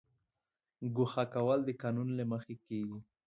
ګوښه کول د قانون له مخې کیږي